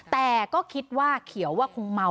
แต่ก็คิดว่าเขียวว่าคงเมา